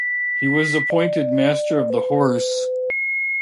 He was appointed Master of the Horse.